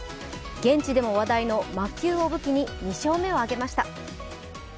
現地でも話題の魔球を武器に２勝目を挙げました。